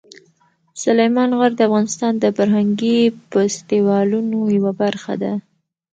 سلیمان غر د افغانستان د فرهنګي فستیوالونو یوه برخه ده.